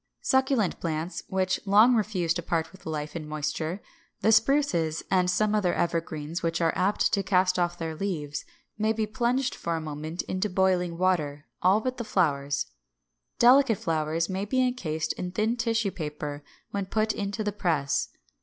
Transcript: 564. Succulent plants, which long refuse to part with life and moisture, and Spruces and some other evergreens which are apt to cast off their leaves, may be plunged for a moment into boiling water, all but the flowers. Delicate flowers may be encased in thin tissue paper when put into the press.